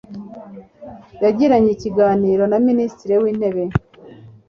Yagiranye ikiganiro na Minisitiri w’intebe.